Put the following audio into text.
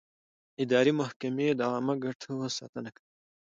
اداري محکمې د عامه ګټو ساتنه کوي.